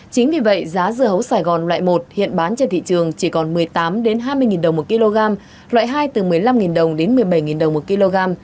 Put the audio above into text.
chính vì vậy giá dưa hấu sài gòn loại một hiện bán trên thị trường chỉ còn một mươi tám hai mươi đồng một kg loại hai từ một mươi năm đồng đến một mươi bảy đồng một kg